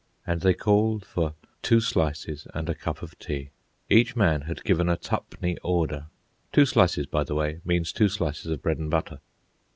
And they called for "two slices an' a cup of tea!" Each man had given a tu'penny order. "Two slices," by the way, means two slices of bread and butter.